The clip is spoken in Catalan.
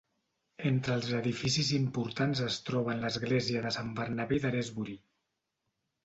Entre els edificis importants es troben l'església de Sant Bernabé i Daresbury.